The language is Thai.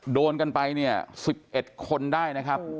โดนกันไปเนี่ย๑๑คนได้นะครับ